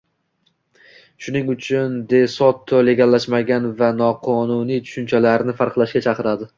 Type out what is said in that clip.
Shuning ucun De Soto Legallashmagan va Noqonunij tuguncalarini farqlashga caqiradi